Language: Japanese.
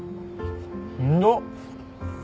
しんどっ。